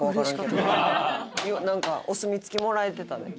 なんかお墨付きもらえてたで。